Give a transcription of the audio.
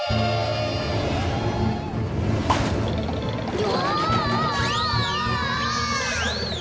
うわ！